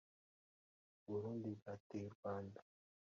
Uburundi bwateye u Rwanda